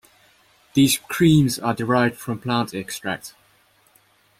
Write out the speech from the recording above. These creams are derived from plant extract.